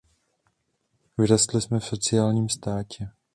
Vyrostli jsme v sociálním státě.